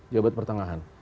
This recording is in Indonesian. di abad pertengahan